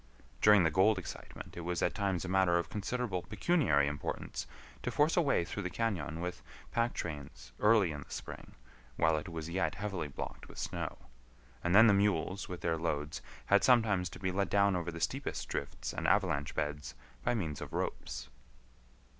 During the gold excitement it was at times a matter of considerable pecuniary importance to force a way through the cañon with pack trains early in the spring while it was yet heavily blocked with snow; and then the mules with their loads had sometimes to be let down over the steepest drifts and avalanche beds by means of ropes.